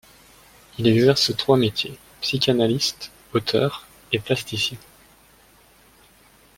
Il exerce trois métiers : psychanalyste, auteur et plasticien.